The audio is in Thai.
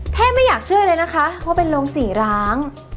ไม่อยากเชื่อเลยนะคะว่าเป็นโรงสี่ร้าง